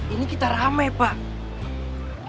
ini kita ramai pak